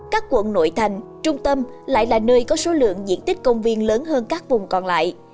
các quận nội thành trung tâm lại là nơi có số lượng diện tích công viên lớn hơn các vùng còn lại